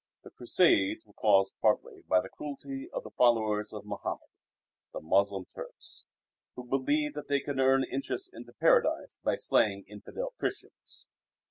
The Crusades were caused partly by the cruelty of the followers of Mohammed, the Moslem Turks, who believed that they could earn entrance into Paradise by slaying infidel Christians.